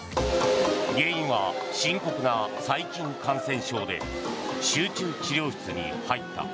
原因は深刻な細菌感染症で集中治療室に入った。